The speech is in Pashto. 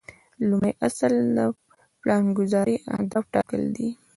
لومړی اصل د پلانګذارۍ اهداف ټاکل دي.